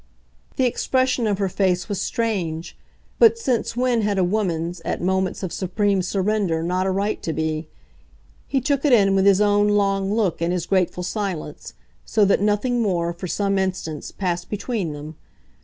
The expression of her face was strange but since when had a woman's at moments of supreme surrender not a right to be? He took it in with his own long look and his grateful silence so that nothing more, for some instants, passed between them.